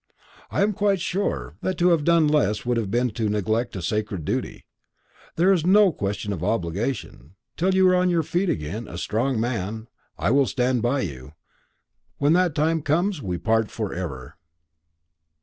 I am quite sure that to have done less would have been to neglect a sacred duty. There is no question of obligation. Till you are on your feet again, a strong man, I will stand by you; when that time comes, we part for ever."